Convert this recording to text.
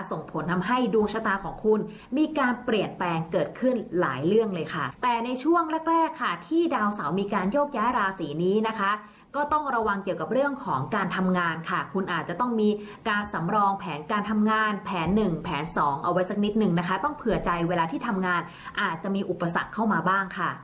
ส่งผลทำให้ดวงชะตาของคุณมีการเปลี่ยนแปลงเกิดขึ้นหลายเรื่องเลยค่ะแต่ในช่วงแรกแรกค่ะที่ดาวเสามีการโยกย้ายราศีนี้นะคะก็ต้องระวังเกี่ยวกับเรื่องของการทำงานค่ะคุณอาจจะต้องมีการสำรองแผนการทำงานแผนหนึ่งแผนสองเอาไว้สักนิดนึงนะคะต้องเผื่อใจเวลาที่ทำงานอาจจะมีอุปสรรคเข้ามาบ้างค่ะ